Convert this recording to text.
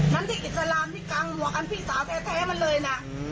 มันที่อิสลามที่กางหมวกกันพี่สาวแท้มันเลยนะ